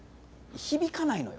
響かないのよ。